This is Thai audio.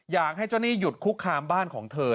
อยากให้เจ้าหนี้หยุดคุกคามบ้านของเธอ